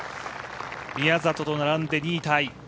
宮里と並んで、２位タイ。